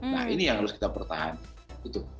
nah ini yang harus kita pertahankan